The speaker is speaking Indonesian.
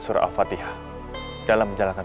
surah al fatihah dalam menjalankan